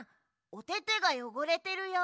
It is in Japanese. おててがよごれてるよ。